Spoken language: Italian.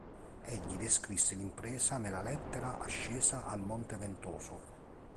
Egli descrisse l'impresa nella lettera "Ascesa al monte Ventoso".